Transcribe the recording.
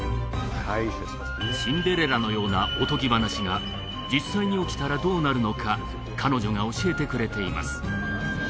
「シンデレラ」のようなおとぎ話が実際に起きたらどうなるのか彼女が教えてくれています